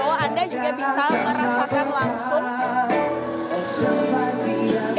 bahwa anda juga bisa merasakan langsung